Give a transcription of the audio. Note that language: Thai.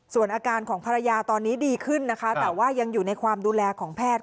ส่วนอาการของภรรยาตอนนี้ดีขึ้นนะคะแต่ว่ายังอยู่ในความดูแลของแพทย์